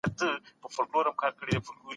پانګونه د بازار لپاره عرضه تامینوي.